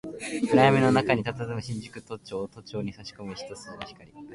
暗闇の中に佇む新宿都庁、都庁に差し込む一筋の光